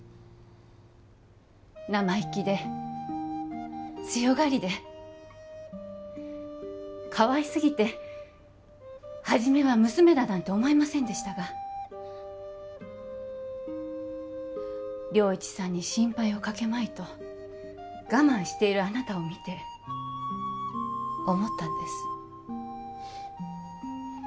生意気で強がりでかわいすぎてはじめは娘だなんて思えませんでしたが良一さんに心配をかけまいと我慢しているあなたを見て思ったんです